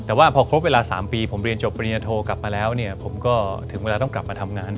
แต่ว่าพอครบเวลา๓ปีผมเรียนจบปริญญาโทกลับมาแล้วเนี่ยผมก็ถึงเวลาต้องกลับมาทำงาน